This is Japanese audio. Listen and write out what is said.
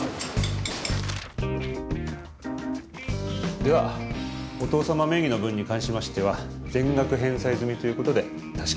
・ではお父様名義の分に関しましては全額返済済みということで確かに。